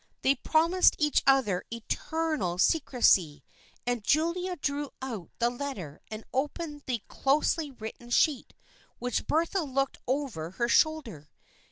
They promised each other eternal secrecy, and Julia drew out the letter and opened the closely written sheet, while Bertha looked over her shoulder.